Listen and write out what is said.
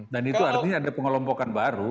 dan itu artinya ada pengelompokan baru